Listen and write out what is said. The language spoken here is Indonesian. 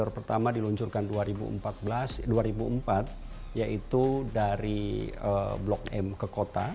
pertama diluncurkan dua ribu empat yaitu dari blok m ke kota